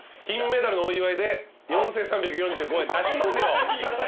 金メダルのお祝いで４，３４５円出しますよ。